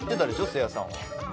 せいやさんは。